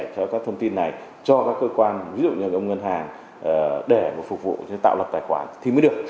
cho các thông tin này cho các cơ quan ví dụ như ông ngân hàng để phục vụ cho tạo lập tài khoản thì mới được